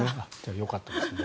よかったですね。